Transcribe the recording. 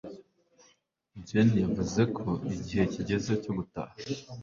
jane yavuze ko igihe kigeze cyo gutaha